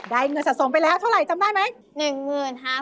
เงินสะสมไปแล้วเท่าไหร่จำได้ไหม